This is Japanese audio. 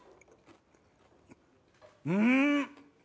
うん！